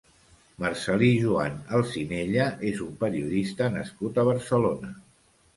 Marcel·lí Joan Alsinella és un periodista nascut a Barcelona.